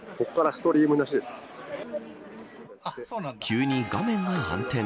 急に画面が暗転。